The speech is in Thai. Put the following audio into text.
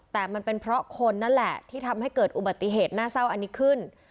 แต่มันเป็นเพราะคนนั่นแหละที่ทำให้เกิดอุบัติเหตุน่าเศร้าอันนี้ขึ้น